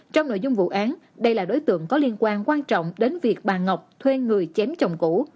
trong nội dung vụ án đây là đối tượng có liên quan quan trọng đến việc bà ngọc thuê người chém chồng cũ